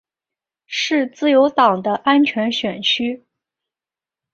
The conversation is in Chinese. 是自由党的安全选区。